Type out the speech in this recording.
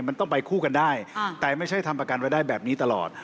มันต้องไปคู่กันได้แต่ไม่ใช่ทำประกันไว้ได้แบบนี้ตลอด